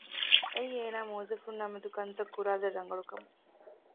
އެއީ އޭނާ މުއައްޒަފުންނާ މެދު ކަންތައް ކުރާލެއް ރަނގަޅު ކަމުން